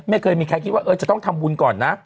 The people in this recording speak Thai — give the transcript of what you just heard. ไม่เคยมีใครคิดว่าจะต้องทำบุญก่อนนะ